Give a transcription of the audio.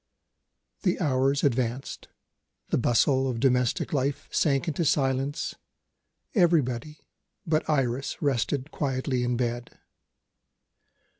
The hours advanced the bustle of domestic life sank into silence everybody but Iris rested quietly in bed.